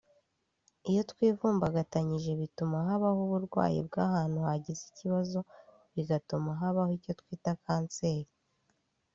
iyo twivumbagatanyije bituma habaho uburwayi bw’ahantu hagize ikibazo bigatuma habaho icyo twita kanseri